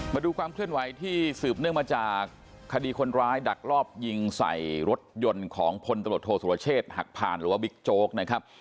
มาดูความเคลื่อนไหวที่สืบเนื่องมาจากคดีคนร้ายดักลอบยิงใส่รถยนต์ของพลตำรวจโทษสุรเชษฐ์หักผ่านหรือว่าบิ๊กโจ๊กนะครับ